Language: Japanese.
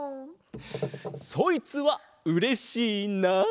そいつはうれしいなあ！